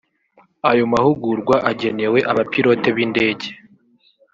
Ayo mahugurwa agenewe abapilote b’indege